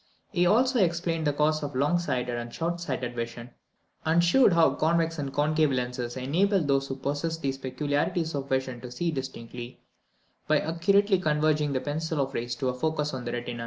He also explained the cause of long sighted and short sighted vision, and shewed how convex and concave lenses enabled those who possessed these peculiarities of vision to see distinctly, by accurately converging the pencils of rays to a focus on the retina.